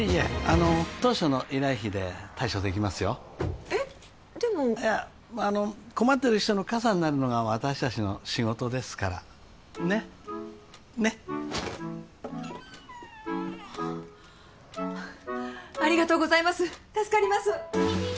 あの当初の依頼費で対処できますよえっでもいやあの困ってる人の傘になるのが私達の仕事ですからねっねっありがとうございます助かります！